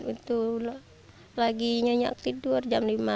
itu lagi nyenyak tidur jam lima